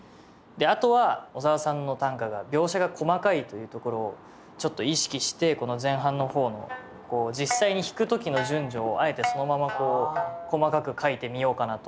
あとは小沢さんの短歌が描写が細かいというところをちょっと意識してこの前半の方の実際に弾く時の順序をあえてそのまま細かく書いてみようかなと。